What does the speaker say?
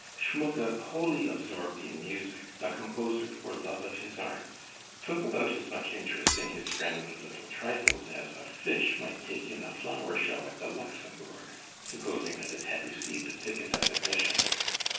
Schmucke, wholly absorbed in music, a composer for love of his art, took about as much interest in his friend's little trifles as a fish might take in a flower show at the Luxembourg, supposing that it had received a ticket of admission.